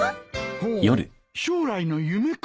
ほう将来の夢か。